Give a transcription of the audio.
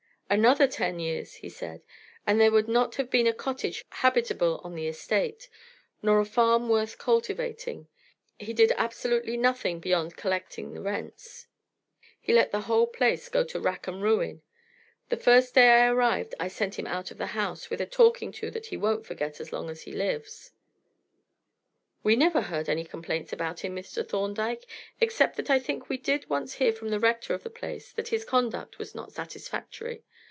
"Another ten years," he said, "and there would not have been a cottage habitable on the estate, nor a farm worth cultivating. He did absolutely nothing beyond collecting the rents. He let the whole place go to rack and ruin. The first day I arrived I sent him out of the house, with a talking to that he won't forget as long as he lives." "We never heard any complaints about him, Mr. Thorndyke, except that I think we did once hear from the Rector of the place that his conduct was not satisfactory.